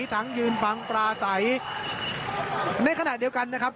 ทั้งยืนฟังปลาใสในขณะเดียวกันนะครับ